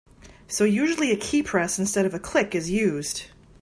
So usually a keypress instead of a click is used.